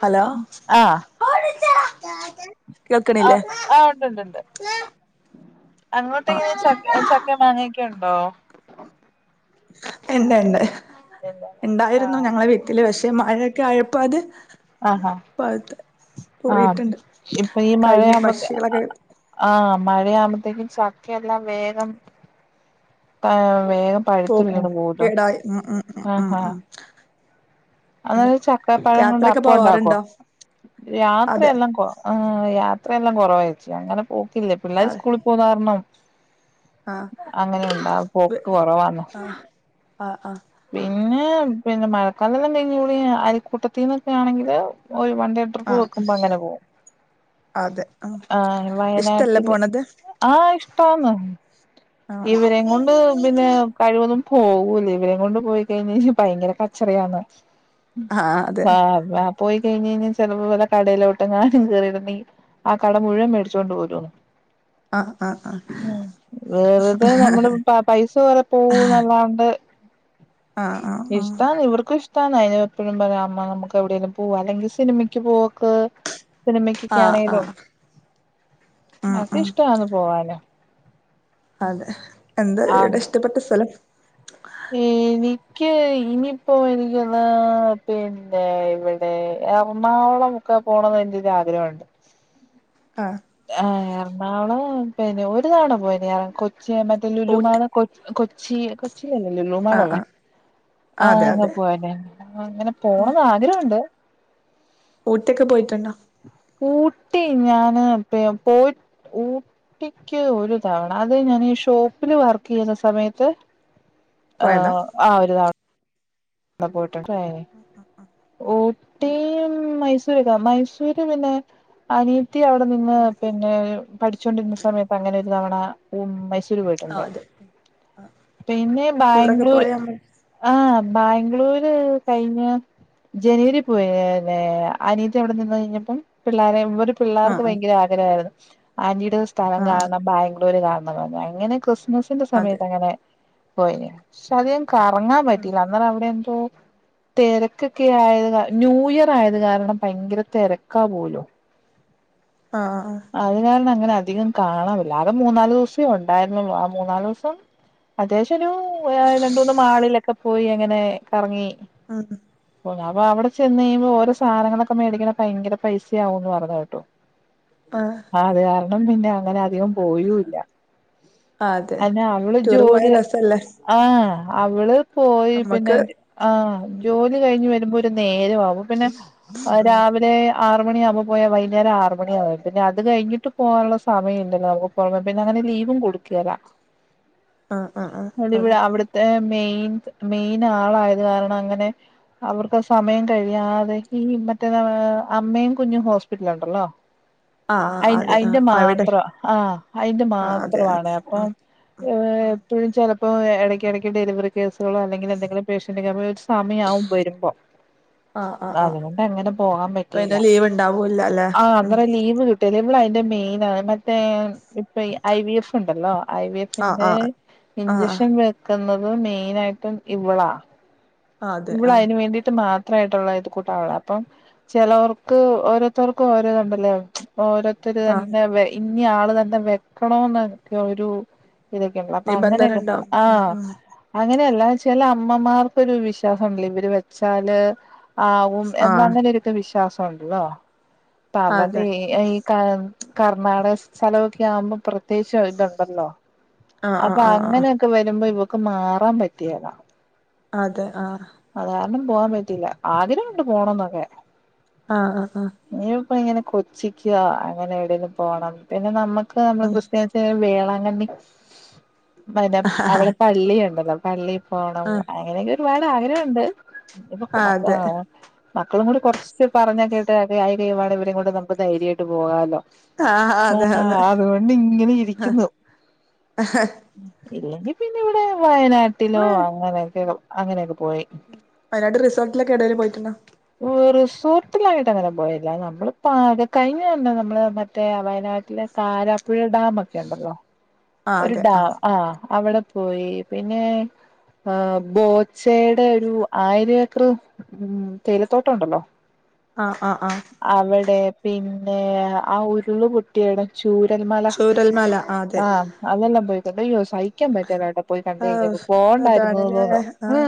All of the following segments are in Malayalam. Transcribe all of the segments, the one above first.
ഹലോ ആഹ് [inaudible] ആഹ് ആ ഉണ്ട്ണ്ട് ഉണ്ട് അങ്ങോട്ട് ആ ഇങ്ങനെ ചക്കയും മാങ്ങക്കെണ്ടോ ഇണ്ട് ഇണ്ട് ഇണ്ടായിരുന്നു ആഹ് ഞങ്ങളെ വി ട്ടിലെ പക്ഷെ മഴയൊക്കെ ആയപ്പോ അത് ആഹ് പഴുത്ത് ആഹ്ആഹ് പോയിട്ടുണ്ട് ഇപ്പ ഈ കഴിഞ്ഞു മഴയാവുമ്പോത്തെ പക്ഷികളൊക്കെ ആഹ് മഴയാവുമ്പോത്തേക്കും ചക്കെല്ലാം വേഗം എ വേഗം പഴുത്ത് തോക്കു വീണ് പോവൂല്ലോ കേടായി ഉം ഉം ഉം ഉം ഉം അതെ അന്നേരാ ചക്കപ്പഴംകൊണ്ട് യാത്രയൊക്കെ അപ്പം ഉണ്ടാക്കോ പോവാറുണ്ടോ അതെ രാത്രിയെല്ലാം കൊ ആഹ് യാത്ര എല്ലാം കുറവായിച്ചു അങ്ങനെ പോക്കില്ലേ പിള്ളേർ അതെ സ്കൂളിൽ പോകുന്ന കാരണം ആ അങ്ങനെണ്ടാ പോക്ക് കൊറവാന്ന് ആഹ് ആഹ് പിന്നെ പിന്നെ മഴക്കാല എല്ലാം കഴിഞ്ഞ് കൂടി അൽക്കൂട്ടത്തിൽന്നൊക്കെ ആണെങ്കിൽ ഒരു വണ്ടി- ആ ആ പോകുബോ അങ്ങനെ പോകും അതെ ആഹ് ഇഷ്ടല്ലേ വയനാട്ടില് പോണത് ആഹ് ഇഷ്ടവാന്ന് ആ ഇവരെ കൊണ്ട് പിന്നെ കഴിവതും പോകൂല ഇവരെ കൊണ്ട് പോയി കഴിഞ്ഞ്ഞ്ഞ ഭയങ്കര കച്ചറയാണ് ആ അതെ ആഹ് പോയി കഴിഞ്ഞ് കഴിഞ്ഞാൽ ചിലപ്പോ വല്ല കടെലോട്ടങ്ങനും കേറിട്ടോണ്ടെങ്കിൽ ആ കട മുഴുവൻ മേടിച്ചുകൊണ്ട് പോരുന്ന് ആഹ് ആഹ് ആഹ് വെറുതെ നമ്മള്പാ പൈസ കൊറെ പോകുന്നല്ലാണ്ട് ആഹ് ആഹ് ആഹ് ഇഷ്ടാണ് ഇവർക്കും ഇഷ്- ട്ടാണ് അയിന് എപ്പഴും പറയാം അമ്മ നമുക്ക് എവിടെലും പോകവാ അല്ലെങ്കിൽ സിനിമയ്ക്ക് പോക്ക് ആഹ് സിനിമക്കൊക്കൊണെലോ ആഹ് ആഹ് അക്ക ആഹ് ഇഷ്ടവാന്ന് പോവാന് അതെ എന്താ ഇടെ ഇഷ്ടപ്പെട്ട സ്ഥലം ഉം എനിക്ക് ഇനിയിപ്പോ എനികൊന്ന് പിന്നെ ഇവിടെ എർണാകുളം ഒക്കെ പോണന്ന് എന്റെ ഒരു ആഗ്രഹണ്ട് ആഹ് ആഹ് എർണാളം പിന്നെ ഒരു താവണ പോയന് കൊച്ചി മറ്റേ ഊട്ടി ലുലുമാള് കൊ കൊച്ചി കൊച്ചിയിലല്ലോ ലുലു ആഹ് മാൾമാളോള്ളെ ആഹ് അതെ ആഹ് അതെ പോയന് ആഹ് അങ്ങനെ ആഹ് പോണംന്ന് ആഗ്രഹണ്ട് ഊട്ടിയൊക്കെ പോയിട്ടുണ്ടോ ഊട്ടി ഞാന് പേ പോയി ഊ- ഊ ട്ടിക്ക് ഒരു തവണ അത് ഞാന് ഷോപ്പില് വർക്ക് ചെയ്യുന്ന സമയത്ത്- പോയതാ ആഹ് ആ ഒരു തവണ പോയിട്ടുണ്ട് ആഹ് ഊട്ടിയും മൈസൂരോക്കെ മൈസൂര് പിന്നെ അനി- അനിയത്തി അവിടെ നിന്ന് പിന്നെ പഠിച്ചൊണ്ടിരുന്ന സമയത്ത് അങ്ങനെ ഒരു തവണ ഉം മൈസൂര് പോയിട്ടു - ആഹ് ട്ടുണ്ട് അതെ പിന്നെ ടൂറൊക്കെ ബാംഗ്ലൂര്- പോയാ നമ്മ ആഹ് ബാംഗ്ലൂര് കഴിഞ്ഞാ- ജനുവരി പോയല്ലെ അനിയത്തി എവിടെ നിന്ന് കഴിഞ്ഞപ്പം പിള്ളേരെ ഇവര് ആഹ് പിള്ളേർക്ക് ഭയങ്കര അ - ഗ്രരാന്ന് ആന്റിടെ സ്ഥലം ആഹ് ആഹ് കാണണം ബാംഗ്ലൂര് കാണണന്ന് പറഞ് അങ്ങനെ ക്രിസ്മസ്- ന്റെ അതെ സമയത്ത് അങ്ങനെ പോയിന് പക്ഷെ അധികം കറങ്ങാൻ പറ്റില്ല അന്നേരം അവിടെ എന്തോ തെരക്ക് രക്ക്- ക്കെ ആയത് കാ ന്യൂയർ ആയത് കാരണം ഭയങ്കര തെരക്കാ പോലും ആഹ് ആഹ് അത് കാരണം അങ്ങനെ അധികം കാണാവില്ല ആകെ മൂന്നാല് ദിവസേ ഉണ്ടായിരന്നുള്ളൂ ആ മൂന്നാല് ദിവസം- അത്യാവിശം ഒരു രണ്ടുമൂന്ന് മാളിലൊക്കെ പോയി അങ്ങനെ കറങ്ങി- [unintelligible] പൊന്ന് അപ്പ അവിടെ ചെന്ന് കഴുമ്പോ ഓരോ സാധനങ്ങളൊക്കെ മേടിക്കണ ഭങ്കര പൈസയാകുന്ന് പറയിന്ന കേട്ടു ആഹ് ആഹ് അത് കാരണം പിന്നെ അങ്ങനെ അധികം പോയുയില്ല അതെ അന്നെ അവള് ടൂറ് പോയ ജോലി രസല്ലേ ആഹ് അവള് പോയി നമ്മക്ക് പിന്നെ- ആഹ് ജോലി കഴിഞ്ഞ് വരുമ്പോ ഒരു നേരമാവു പിന്നെ ഉം രാവിലെ- ആറു മണി ആകുമ്പോ പോയാ വൈകുന്നേരം ആറു മണിയ ആവും പിന്നെ അത് കഴിഞ്ഞിട്ട് പോകാനുള്ള സമയമ ഇല്ലല്ലോ നമ്മ- പോവാൻ പിന്നെ അങ്ങനെ ലീവും കൊടുക്കേല ആഹ് ആഹ് ആഹ് അതെ ഇവിടെ അവിടുത്തെ മെയിൻ മെയിൻ ആളായത് കാരണം അങ്ങനെ- അവർക്ക് സമയം കഴിയാതെ ഈ മറ്റേ അമ്മയും കുഞ്ഞും ഹോസ്പിറ്റല് ഉണ്ടല്ലോ- ആഹ് അ അതെ അയിന്റെ ആഹ് അവിടെ മാത്രം ആഹ് അയിന്റെ ആഹ് അതെ മാത്രയാണെ ആഹ് അപ്പം- ഏ ആഹ് എപ്പോഴും ചെലപ്പോ എടയ്ക്ക എടയ്ക്ക് ഡെലിവറി കേസുകളോ അല്ലെങ്കിൽ എന്തെങ്കിലും പേഷ്യന്റ ക- സമയവാവും വരുമ്പോ- ആഹ് ആഹ് അവിടൊട്ട് അങ്ങനെ പോകാൻ പിന്നെ പറ്റിയില്ല ലീവ് ഉണ്ടാവൂല്ല അല്ലെ ആഹ് ഉം അന്നേരം ലീവ് കിട്ട- ളളൾ അതിന്റെ മെയിനാണ് മറ്റേ ഇപ്പൊ ഐ വി എഫ് ഉണ്ടല്ലോ ഐ വി എഫ് ആഹ് പിന്നെ ആഹ് ആഹ് ഇഞ്ചക്ഷൻ വെ - ന്നത് മെയിനയിട്ടും ഇവളാ ആഹ് ആഹ് അതെ ഇവള ആഹ് അതിന് വേണ്ടി- വണ്ട [unintelligible] ട്ട് മാത്രമായിട്ടുള്ള ഇത് കൂട്ടാവുള്ള അപ്പം- ചെലോർക്ക് ഓരോരുത്തർക്കും ഓരോയിതുണ്ടാലേ ഓരോ- ഒരു ആഹ് തന്നെ ഇനി ആള് തന്നെ വെക്കണോനോക്കെ ഒരു- ഇതൊക്കെയ ഉണ്ടലോ അപ്പൊ നിബന്ധന അങ്ങനെയൊക്കെ ഉണ്ടാവും ഉം ആഹ് ഉം - അങ്ങനെയല്ല ചെല അമ്മമാർക്കൊരു വിശ്വാസം ഒണ്ടല്ലോ ഇവര് വെച്ചാല്- ആവും എന്ന ആഹ് അങ്ങനെ ഒരുക്ക വിശ്വാസം ഒണ്ടല്ലോ അപ്പ അതെ അവരെ ഈ- കർണാടക സ്ഥലമൊക്കെ ആവുമ്പോ പ്രത്യേകിച്ച് ഇതുണ്ടല്ലോ ആഹ് ആഹ് അപ്പൊ ആഹ് അങ്ങനെ- വരുമ്പോ ഇവക്ക് മാറാൻ പറ്റിയെല അതെ ആഹ് അത് കാരണം പോവാൻ പറ്റില്ല ആഗ്രഹം ഉണ്ട് പോണംന്നൊക്കെ ആഹ് ആഹ് ആഹ് ഇനി ഇപ്പ ഇങ്ങനെ കൊച്ചിക്ക് അങ്ങനെ എവിടെലും പോകണം പിന്നെ നമ്മുക്ക് നമ്മള് ആഹ് ക്രിസ്ത്യ- വേളാങ്കണ്ണി പിന്നെ അവിടെ പള്ളിയുണ്ടല്ലോ പള്ളി- പോണം ആഹ് അങ്ങനെയൊക്കെ ഒരുപാട് ആഗ്രഹയുണ്ട് അതെ - മക്കളും കൂടി കൊറച്ച് പറഞ്ഞാ കേട്ട് ആയിക്കഴിയുമ്പോ ഇവരെ കൊണ്ട് നമുക്ക് ധൈര്യമായിട്ട് പോകാലോ ആഹ് അതെ ആ അതെ അതുകൊണ്ട് ഇങ്ങനെ ഇരിക്കുന്നു ഇല്ലെങ്കി പിന്നെ ഇവിടെ വയനാട്ടിലോ നിങ്ങള് അങ്ങനെയൊക്കെ അങ്ങനെയൊക്കെ പോയി വയനാട്ടി റിസോർട്ടിലക്കെ എവിടേലും പോയിട്ടുണ്ടോ റിസോർട്ടിലായിട്ട് അങ്ങനെ പോയില്ല നമ്മളിപ്പോ അത് കഴിഞ്ഞു തന്നെ നമ്മള് മറ്റേ വയനാട്ടിലെ താരാപ്പുഴ ഡാമൊക്കെ ഉണ്ടല്ലോ ആഹ് ഒരു അതെ ഡാം ആഹ് ആ അവിടെ പോയി പിന്നെ ആ ബോച്ചയുടെ ഒരു ആയിരം ഏക്കർ ഉം തേയിലത്തോട്ടം ഉണ്ടല്ലോ ആഹ് ആഹ് ആഹ് അവിടെ പിന്നെ ആ ഉരുളി റ്റിയണ് ചൂരൽ മല ചൂരൽമല ആഹ് അതെ ആ അതെല്ലാം പോയിട്ടുണ്ട് അയ്യോ സ കിക്കാൻ പറ്റുല്ലട്ടോ എവിടെ പോയി കണ്ട് ആഹ് കഴിഞ്ഞപ്പോ പോണ്ടായിരുന്നു അതാണ്ല്ലേ തോന്നും ആഹ്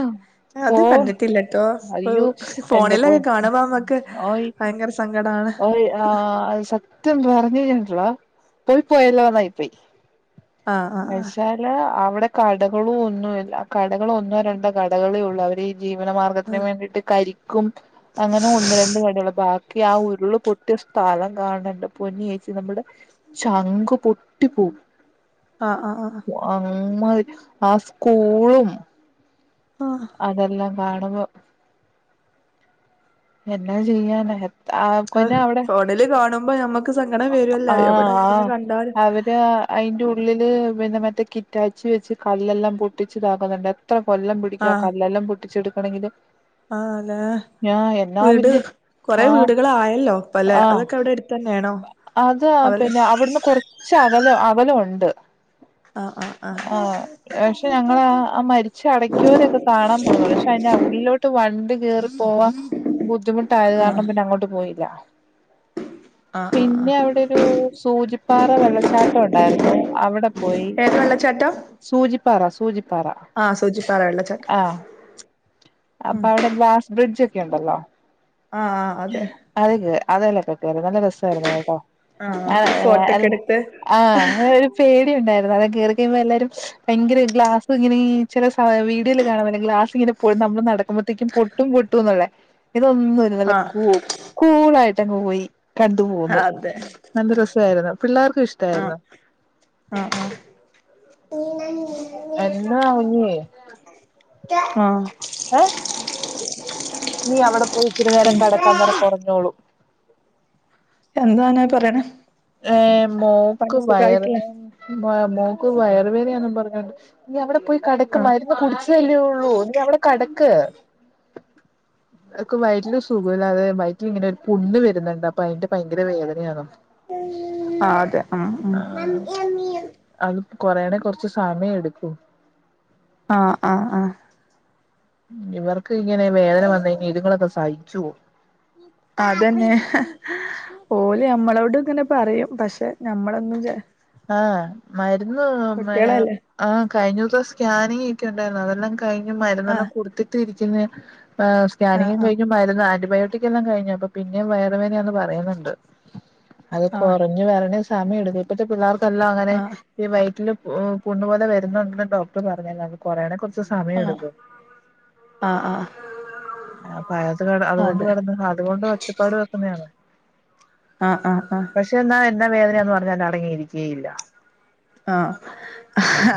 അത് പോവും കണ്ടിട്ടില്ലട്ടോ ഇപ്പൊ അയ്യോ എന്റെ പോൻ ഫോണിലൊക്കെ കാണുമ്പോ നമ്മക്ക് ഭയങ്കര സങ്കടാണ് ഓഫ് [inaudible] ആ അത് സത്യം പറഞ്ഞു കഴഞ്ഞാലുണ്ടല്ലോ പോയി പോയല്ലോ എന്നായി പോയി ആഹ് ആഹ് പക്ഷെ അല്ല അവിടെ കടകളും ഒന്നുല്ല കടകള് ഒന്നോ രണ്ടോ കടകളേ ഉള്ളു അവര് ജീവനമാർഗത്തിന് വേണ്ടിട്ട് കരിക്കും അങ്ങനെ ഒന്ന് രണ്ട് കടികൾ ബാക്കി ആ ഒ പൊട്ടിയ സ്ഥലം കാണണ്ട് പൊന്നി ചേച്ചി നമ്മുടെ ചങ്ക് പൊട്ടിപ്പോം ആഹ് ആഹ് ആഹ് അമ്മാതിരി ആ സ്കൂളും ആഹ് അതെല്ലാം കാണുമ്പോ എന്നാ ചെയ്യാനാ എ ആഹ് ഫോണില് കാണുമ്പോ ഞമ്മക്ക് സങ്കടം വരുല്ലൊ എവിടെയിരുന്നു കണ്ടാലും അയിൻ്റെ ഉള്ളില് പിന്നെ മറ്റേ കിറ്റാച്ചി വെച്ച് കല്ലെല്ലാം പൊട്ടിച്ചിതാക്കുന്നുണ്ട് എത്ര കൊല്ലം ക്കാ കല്ലെല്ലാം പൊട്ടിച്ചെടുക്കണ മെങ്കില് ആ അതെ വീട് വല്യ കൊറെ ആഹ് വീടുകളായല്ലോപ്പ അല്ലെ ആഹ് അതൊക്കെ അവിടെ എ അത് പിന്നെ അവിടുന്ന് കൊറച്ച് അകല അകലണ്ട് ആഹ് ആഹ് ആഹ് ആ പക്ഷെ ഞങ്ങ ആ മരിച്ച അടക്കിയരൊക്കെ കാണാൻ പോണന്നു പറഞ്ഞു പക്ഷെ അതിന്റെ ഉള്ളിലോട്ട് ട്ട് വണ്ടി കേറി പോവാൻ ബുദ്ധിമുട്ടായത് കാരണം ആഹ് പിന്നെ അങ്ങോട്ട് പോയില്ല ആഹ് ആഹ് പിന്നെ ആഹ് അവിടൊരു സൂചിപ്പാറ വെള്ളച്ചാട്ടം ഉണ്ടായിരുന്നു അവിടെ പോയി ത് വെള്ള ചാട്ടോം സൂജിപറാ സൂജി ആ സൂചിപ്പറാ വെള്ളച്ചാട്ടം ഉം അപ്പൊ അവിടെ ഗ്ലാസ് ബ്രിഡ്ജ് ഒക്കെ ഉണ്ടല്ലോ ആഹ് ആഹ് അതെ അത് കേ അതെലൊക്കെ കേറി നല്ല രസമായിരുന്നു കേട്ടോ ആഹ് ഫോട്ടോക്കെ എടുത്ത് ആ ഒരു പേടിയ ഉണ്ടായിരുന്നു അതെ കേറി കഴിയുംപോ എല്ലാരും ഭയങ്കര ഗ്ലാസ് ഇങ്ങനെ ചില വീഡിയോൽ കാണാൻ പറ്റും ഗ്ലാസ് ഇങ്ങനെ നമ്മള് നടക്കുമ്പോഴത്തേക്കും പൊട്ടും പൊട്ടുംന്നുള്ളേ ഇതൊന്നും നല്ല ആഹ് കു കൂളായിട്ടങ്ങ് പോയി കണ്ടു പോന്നു അതെ നല്ല രസായിരുന്നു പിള്ളേർക്കും ആഹ് ഇഷ്ടായിരുന്നു ആഹ് എന്നാ ഇഞ്ഞിയേ ആഹ് ഏഹ് നീ അവിടെ പോയി ഇച്ചിരി നേരം കിടക്കാൻന്നേരം ഉം കുറഞ്ഞോളൂം എന്താനാ പറയണേ ഏഹ് മോക്ക് പനി വയറ് സുഖായിട്ടില്ലേ വേ മോക്ക് വയറ് വേദനാണ് പറഞ്ഞോണ്ട് നി അവിടെ പോയി കെടക്ക് ആ മരുന്ന് കുടിച്ച് ചെല്ലെയുള്ളൂ നീ അവടെ കെടക്ക് ഉം എക്ക് വയറ്റില് സുഖോല്ല അതെ വയറ്റിലിങ്ങനെ ഒരു പുണ്ണ് വര്ന്നിണ്ട് അപ്പ അയിന്റെ ഭയങ്കര വേദനയാണോ. ആഹ് അതെ മ് മ് അത് കൊറയെണേ കൊറച്ച് സമയം എടുക്കും. ആഹ് ആഹ് ആഹ് ഇവർക്ക് ഇങ്ങനെ വേദന വന്നഴിഞ്ഞ ഇതുങ്ങളൊക്കെ സഹിച്ചുവോ. അതന്നെ. ഓല് ഞമ്മളോട് ഇങ്ങനെ പറയും പക്ഷേ ഞമ്മളൊന്നും ചെ ആഹ് മരുന്ന് പിന്ന കുട്ടികളല്ലേ ആ കഴിഞ്ഞ ദിവസം സ്കാനിങിക്കെ ഇണ്ടായിരുന്നു, അതെല്ലാം കഴിഞ്ഞ് ആ മരുന്നെല്ലാം കൊടുത്തിട്ട് ഇരിക്കുന്ന എഹ് ആ സ്കാനിങ്ങും ആ കഴിഞ്ഞു മരുന്ന് ആന്റിബയോട്ടിക് എല്ലാം കഴിഞ്ഞു അപ്പ പിന്നേം വയറ് വേനയാന്ന് പറയുന്നുണ്ട്. അത് ആ കൊറഞ്ഞു വരണേ സമയം എടുക്കും, ഇപ്പത്തെ പിള്ളേർക്കെല്ലാം അങ്ങനെ ആ ഈ വയിറ്റില് പു പുണ്ണ് പോലെ വരുന്നുണ്ടെന്ന് ഡോക്ടർ പറഞ്ഞ് [unintelligible] കൊറേണെ കൊറച്ച് സമയം എടുക്കും. ആഹ് ആ പ അത് കട അതുകൊണ്ട് കടന്ന് അതുകൊണ്ട് ഒച്ചപ്പാട് വെക്കുന്നെയാണ്. ആഹ് ആഹ് ആഹ് പക്ഷേ എന്നാ എന്നാ വേദനയാന്ന് പറഞ്ഞാൽ അടങ്ങിയിരിക്കേയില്ല. ആഹ്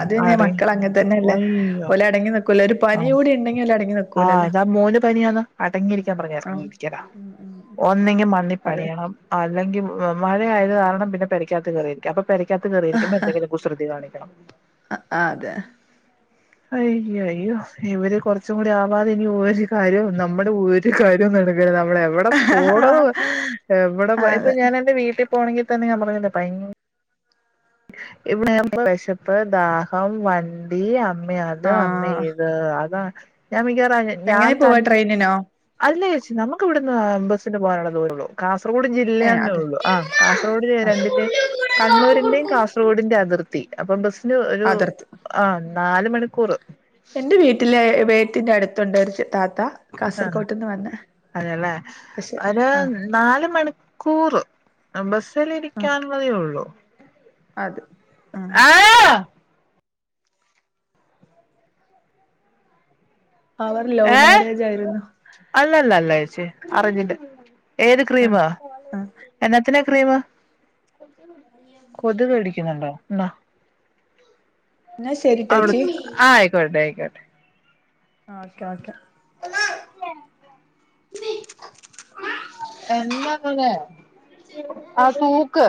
അതന്നെ മക്കൾ അങ്ങന് തന്നെയല്ലേ. അയ്യോ ഓലടങ്ങി നിക്കൂല ഒരു ആ പനി കൂടി ഇണ്ടെങ്കിലട ആഹ് ഇതാ മോന് പനിയാന്ന്, അടങ്ങിയിരിക്കാൻ പറഞ്ഞാ ആ അടങ്ങിയിരിക്കെലാ. ഉം ഉം ഒന്നെങ്കി മണ്ണി അതെ പണിയണം. അല്ലെങ്കി വ് മഴ ആയത് കാരണം പിന്നെ പെരക്കാത്ത് കേറിയിരിക്കും, അപ്പ പെരക്കാത്ത് കേറിരിക്കുമ്പ എന്തെങ്കിലും കുസൃതി കാണിക്കണം. ആഹ് അതെ. അയ്യ അയ്യോ ഇവര് കൊറച് ച്ചും കൂടി ആവാതെ ഇനി ഒരു കാര്യവും നമ്മടെ ഒരു കാര്യവും നടക്കേല നമ്മടെ എവിടെ പോടോ എവിടെ ഇപ്പ എപ്പ അതെ ഞാൻ എന്റെ വീട്ടിൽ പോണങ്കി തന്നെ ഞാൻ പറഞ്ഞില്ലേ ഭയ ഇവിടെ [unintelligible] വെശപ്പ്, ദാഹം, വണ്ടി, അമ്മേ അ അത് അമ്മേ ആഹ് ഇത് അതാ ഞാൻ മിക്കവാറും അ ഞാൻ എങ്ങനെ പോവാ തന്നെ ട്രെയിനിനോ അല്ല ചേച്ചി നമുക്ക് ഇവിടുന്ന് ബസ്സിന് പോകാനുള്ള ദൂര ഉള്ളൂ. കാസർഗോഡ് ഏഹ് ജില്ലയാന്നേ അതെ ഒള്ളൂ, ആഹ് കാസർഗോഡ് ആഹ് രണ്ടിന്റേം കണ്ണൂരിന്റെയും കാസ് ർഗോഡിന്റെ അതിർത്തി അപ്പ ബസിന് ഒരു അതിർത്തി ആ നാല് മണിക്കൂറ്. എന്റെ വീട്ടില് വേട്ടിന്റെ അടുത്തുണ്ട് ഒരു ചെ താത്ത ആഹ് കാസർകോട്ട്ന്ന് വന്നെ അതെയല്ലേ പക്ഷെ ഒരു ആഹ് നാല് മണിക്കൂറ് ബസിൽ ഇരിക്കൻ ആഹ് ഒള്ളതെ ഒള്ളു. അത് ആഹ് അവർ ലവ് ഏ മാരേജ് ആയിരുന്നു. അല്ലല്ല അല്ല ചേച്ചി അറേഞ്ചിന്റെ ഏത് ആഹ് ക്രീമാ ആഹ് എന്നത്തിനാ ക്രീമ് കൊതുക് കടിക്കുന്നുണ്ടോ? ഇന്നാ. എന്നാ ശരിട്ടേച്ചി അവരട്ത്ത് ആ ആയിക്കോട്ടെ ആയിക്കോട്ടെ. ആഹ് ഓക്കെ ഓക്കെ. എന്നാ [unintelligible] ആ തൂക്ക്.